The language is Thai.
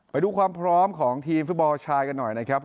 ไปดูความพร้อมของทีมฟุตบอลชายกันหน่อยนะครับ